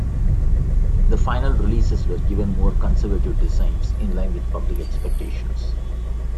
The final releases were given more conservative designs in line with public expectations.